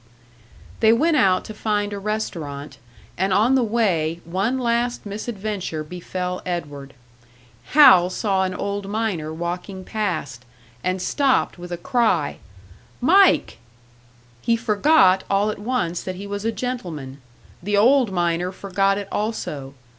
They went out to find a restaurant, and on the way one last misadventure befell Edward. Hal saw an old miner walking past, and stopped with a cry: "Mike!" He forgot all at once that he was a gentleman; the old miner forgot it also.